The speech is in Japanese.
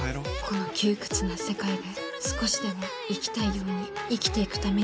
この窮屈な世界で少しでも生きたいように生きていくために。